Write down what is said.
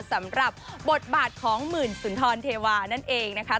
สำหรับบทบาทของหมื่นสุนทรเทวานั่นเองนะคะ